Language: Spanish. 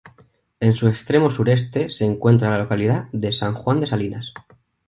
En su extremo sureste se encuentra la localidad de San Juan de Salinas.